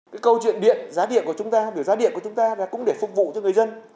cái câu chuyện điện giá điện của chúng ta biểu giá điện của chúng ta là cũng để phục vụ cho người dân